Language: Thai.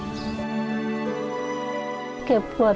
เหมือนกับต่ำทาง